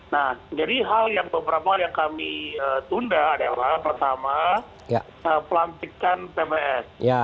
nah jadi hal yang beberapa hal yang kami tunda adalah pertama pelantikan pps